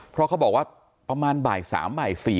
เพราะเขาบอกว่าประมาณบ่าย๓บ่าย๔